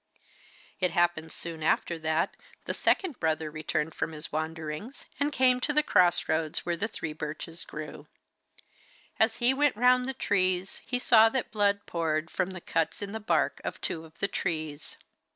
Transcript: It happened soon after that the second brother returned from his wanderings and came to the cross roads where the three birches grew. As he went round the trees he saw that blood poured from the cuts in the bark of two of the trees.